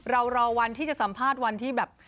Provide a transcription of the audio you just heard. รอวันที่จะสัมภาษณ์วันที่แบบ